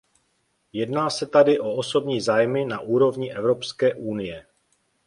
Jedná se tady o osobní zájmy na úrovni Evropské unie.